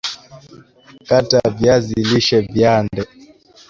kata viazi lishe viande